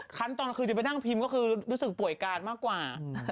ขั้นตอนคือจะไปนั่งพิมพ์ก็คือรู้สึกป่วยการมากกว่า